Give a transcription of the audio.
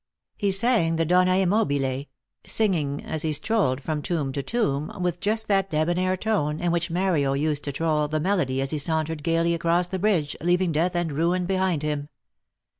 He sang the "Donna e Mobile," singing as he strolled from tomb to tomb, with just that debonnair tone in which Mario used to troll the melody as he sauntered gaily across the bridge, leaving death and ruin behind him.